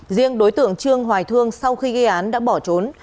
riêng đối tượng trương hoài thương sau khi gây án đã bỏ trốn